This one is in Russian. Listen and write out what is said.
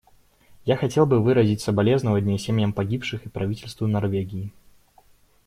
Я хотел бы выразить соболезнование семьям погибших и правительству Норвегии.